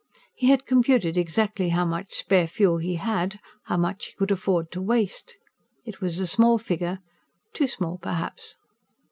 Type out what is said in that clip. He had computed exactly how much spare fuel he had, how much he could afford to waste. It was a small figure too small, perhaps.